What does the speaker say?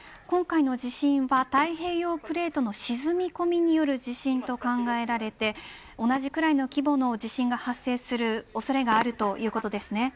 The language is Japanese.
今回の地震は太平洋プレートの沈み込みによる地震と考えられて同じくらいの規模の地震が発生する恐れがあるということですね。